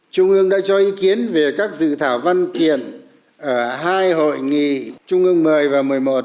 trung ương đã cho ý kiến về các dự thảo văn kiện ở hai hội nghị trung ương một mươi và một mươi một